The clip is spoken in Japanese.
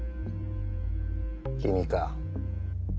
君か。